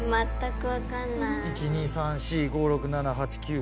１・２・３・４・５・６・７・８・９。